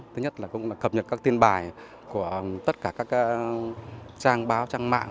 thứ nhất là cũng là cập nhật các tin bài của tất cả các trang báo trang mạng